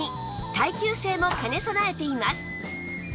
耐久性も兼ね備えています